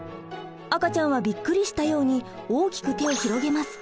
赤ちゃんはびっくりしたように大きく手を広げます。